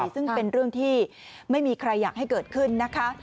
ซึ่งเป็นเรื่องที่ไม่มีใครอยากให้เกิดขึ้นนะคะ